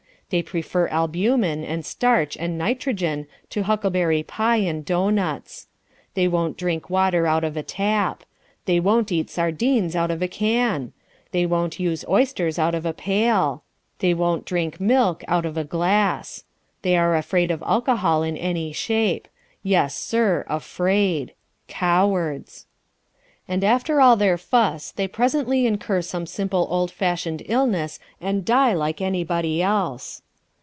They prefer albumen and starch and nitrogen to huckleberry pie and doughnuts. They won't drink water out of a tap. They won't eat sardines out of a can. They won't use oysters out of a pail. They won't drink milk out of a glass. They are afraid of alcohol in any shape. Yes, sir, afraid. "Cowards." And after all their fuss they presently incur some simple old fashioned illness and die like anybody else.